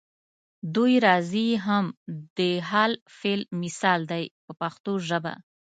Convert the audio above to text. دوی راځي هم د حال فعل مثال دی په پښتو ژبه.